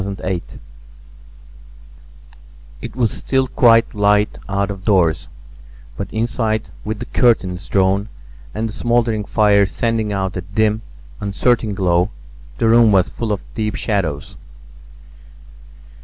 THE KISS It was still quite light out of doors, but inside with the curtains drawn and the smouldering fire sending out a dim, uncertain glow, the room was full of deep shadows.